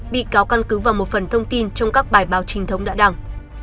bị cáo căn cứ vào một phần thông tin trong các bài báo trinh thống đã đăng